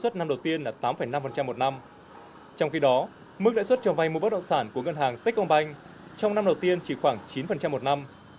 trong khi đó mức lãi suất cho vay mua bất động sản của ngân hàng tết công banh trong năm đầu tiên chỉ khoảng chín một năm